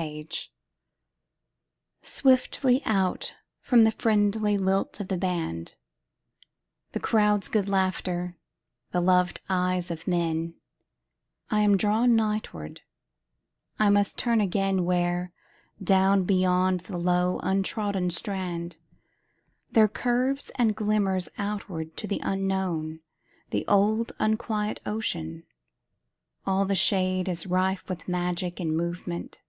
Seaside SWIFTLY out from the friendly lilt of the band, The crowd's good laughter, the loved eyes of men,I am drawn nightward; I must turn againWhere, down beyond the low untrodden strand, There curves and glimmers outward to the unknownThe old unquiet ocean. All the shadeIs rife with magic and movement.